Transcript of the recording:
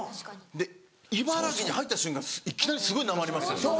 で茨城に入った瞬間いきなりすごいなまりますよね。